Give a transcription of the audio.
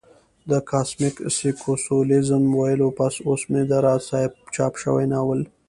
د کاسمک سېکسوليزم ويلو پس اوس مو د راز صاحب چاپ شوى ناول